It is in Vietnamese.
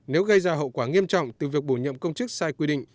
nếu gây ra hậu quả nghiêm trọng từ việc bổ nhiệm công chức sai quy định